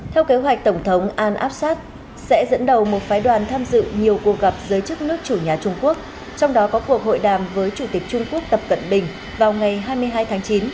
theo kế hoạch tổng thống al absat sẽ dẫn đầu một phái đoàn tham dự nhiều cuộc gặp giới chức nước chủ nhà trung quốc trong đó có cuộc hội đàm với chủ tịch trung quốc tập cận bình vào ngày hai mươi hai tháng chín